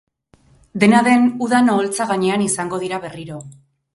Dena den, udan oholtza gainean izango dira berriro.